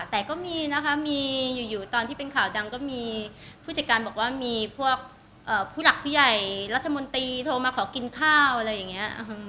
แต่ก็มีนะคะมีอยู่ตอนที่เป็นข่าวดังก็มีผู้จัดการบอกว่ามีพวกผู้หลักผู้ใหญ่รัฐมนตรีโทรมาขอกินข้าวอะไรอย่างนี้